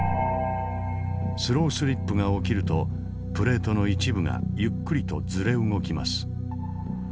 スロースリップが起きるとプレートの一部がゆっくりとずれ動きます。